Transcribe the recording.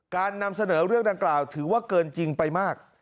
นำเสนอเรื่องดังกล่าวถือว่าเกินจริงไปมาก